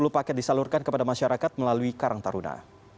satu dua ratus tujuh puluh paket disalurkan kepada masyarakat melalui karang taruna